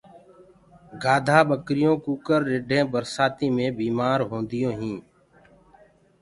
گآڌآ ٻڪرِيونٚ ڪوڪرِ رِڍينٚ برسآتيٚ مي بيٚمآر هونٚديو هينٚ